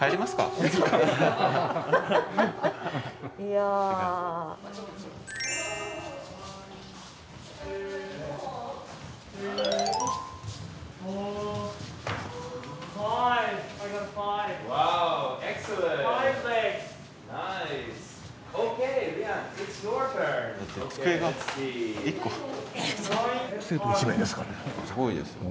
すごいですね。